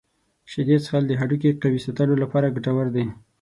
شیدې څښل د هډوکو قوي ساتلو لپاره ګټور دي.